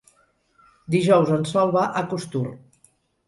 Dijous en Sol va a Costur.